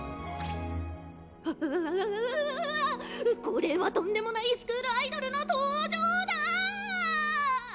これはとんでもないスクールアイドルの登場だぁ！